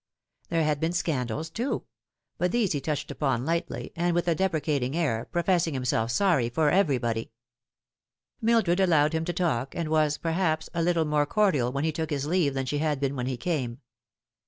There had been scandals, too ; but these he touched upon lightly, and with a deprecat ing air, professing himself sorry for everybody. Mildred allowed him to talk, and was, perhaps, a little more cordial when he took his leave than she had been when he came.